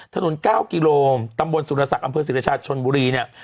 ถนน๙กิโลตำบลสุรศักดิ์อำเภอศิรชาชนบุรีเนี่ย